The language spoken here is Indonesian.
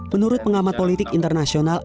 menurut pengamat politik internasional